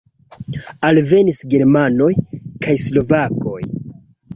Alvenis germanoj kaj slovakoj.